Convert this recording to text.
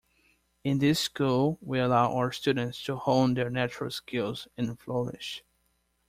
In this school we allow our students to hone their natural skills and flourish.